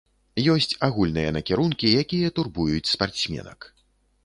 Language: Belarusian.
Ёсць агульныя накірункі, якія турбуюць спартсменак.